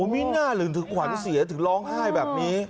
มีน่าลืมถึงขวัญเสียถึงร้องไห้แบบนี้